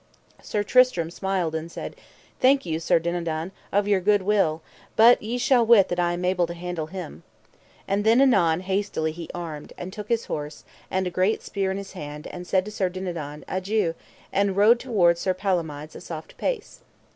Sir Tristram smiled and said: I thank you, Sir Dinadan, of your good will, but ye shall wit that I am able to handle him. And then anon hastily he armed him, and took his horse, and a great spear in his hand, and said to Sir Dinadan: Adieu; and rode toward Sir Palomides a soft pace.